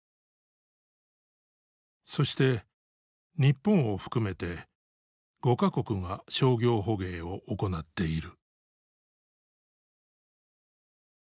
そして日本を含めて５か国が商業捕鯨を行っている。